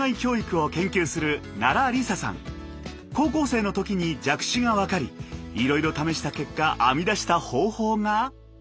高校生の時に弱視が分かりいろいろ試した結果編み出した方法が。